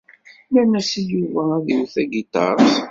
Nenna-as i Yuba ad iwet tagiṭart.